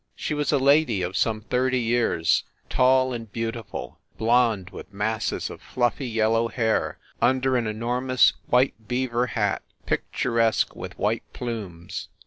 She was a lady of some thirty years, tall and beautiful blond, with masses of fluffy yellow hair under an enormous white beaver hat, picturesque with white plumes.